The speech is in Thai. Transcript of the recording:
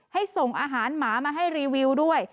ส่งอาหารหมามาให้รีวิวด้วย